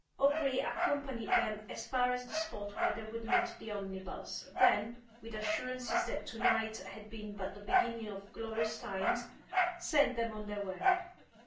O'Gree accompanied them as far as the spot where they would meet the omnibus, then, with assurances that to night had been but the beginning of glorious times, sent them on their way.